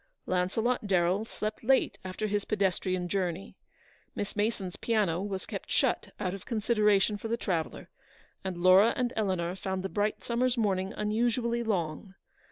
Launcelot Darrell slept late after his pedestrian journey. Miss Mason's piano was kept shut, out of consideration for the traveller ; and Laura and Eleanor found the bright summer's morning unusually long.